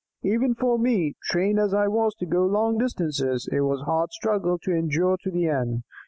"Even for me, trained as I was to go long distances, it was a hard struggle to endure to the end.